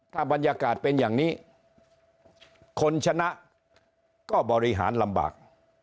ถ้าบรรยากาศเป็นอย่างนี้คนชนะก็บริหารลำบาก